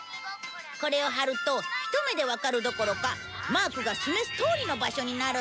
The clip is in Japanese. これを貼るとひと目でわかるどころかマークが示すとおりの場所になるんだ。